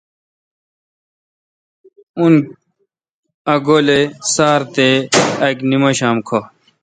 اُن ا ک گولے°سار تےاک نمشام کھہ